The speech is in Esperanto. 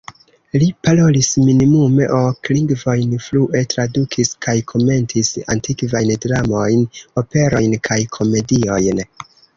Li parolis minimume ok lingvojn flue, tradukis kaj komentis antikvajn dramojn, operojn kaj komediojn.